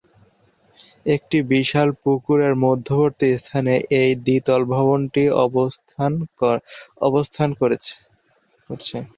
একটি বিশাল পুকুর এর মধ্যবর্তী স্থানে এই দ্বিতল ভবনটি অবস্থান করছে।